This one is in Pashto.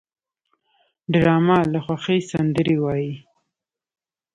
ډرامه له خوښۍ سندرې وايي